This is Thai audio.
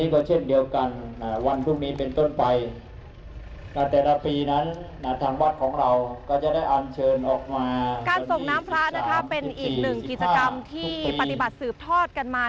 การส่งน้ำพระเป็นอีกหนึ่งกิจกรรมที่ปฏิบัติสืบทอดกันมา